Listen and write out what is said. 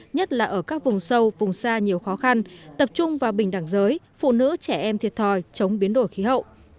nhất là ở các vùng sâu vùng xa nhiều khó khăn tập trung vào bình đẳng giới phụ nữ trẻ em thiệt thòi chống biến đổi khí hậu